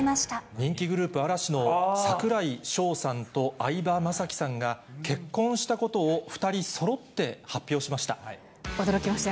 人気グループ、嵐の櫻井翔さんと、相葉雅紀さんが結婚したことを２人そろって発表しました。